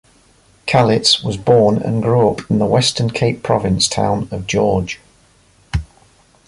Calitz was born and grew up in the Western Cape Province town of George.